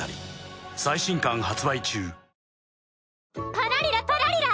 パラリラパラリラ。